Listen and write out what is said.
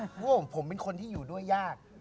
เพราะว่าผมเป็นคนที่อยู่ด้วยยาก